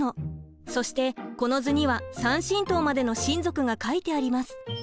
そしてこの図には３親等までの親族が書いてあります。